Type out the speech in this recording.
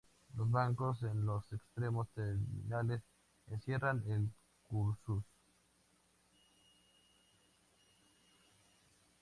Los bancos en los extremos terminales encierran el cursus.